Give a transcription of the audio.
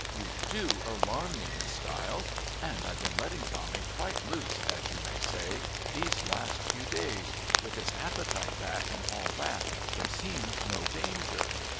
"You do alarm me, Miss Stiles! And I've been letting Tommy quite loose, as you may say, these last few days with his appetite back and all, there seemed no danger."